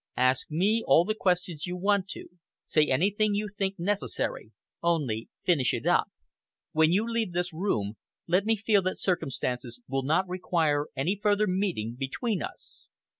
Ask me all the questions you want to say anything you think necessary. Only finish it up. When you leave this room, let me feel that circumstances will not require any further meeting between us."